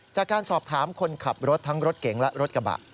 จากการสอบถามคนขับรถทั้งรถเก๋งและรถกระบะ